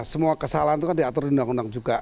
semua kesalahan itu kan diatur di undang undang juga